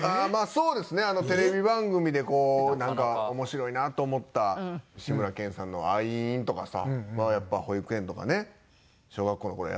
そうですねテレビ番組でこうなんか面白いなと思った志村けんさんの「アイン」とかさ。はやっぱり保育園とかね小学校の頃やってましたけど。